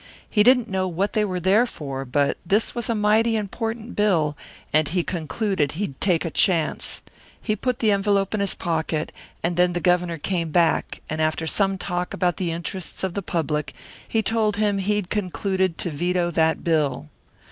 He didn't know what they were there for, but this was a mighty important bill, and he concluded he'd take a chance. He put the envelope in his pocket; and then the Governor came back, and after some talk about the interests of the public, he told him he'd concluded to veto that bill.